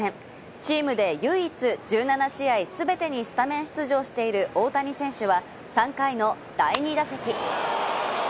チームで唯一、１７試合すべてにスタメン出場している大谷選手は、３回の第２打席。